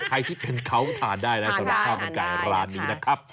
ใครที่เป็นเขาทานได้แล้วสำหรับข้าวมันไก่ร้านนี้นะครับ